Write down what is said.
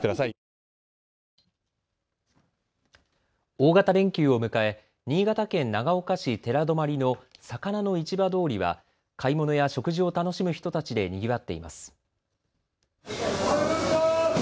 大型連休を迎え新潟県長岡市寺泊の魚の市場通りは買い物や食事を楽しむ人たちでにぎわっています。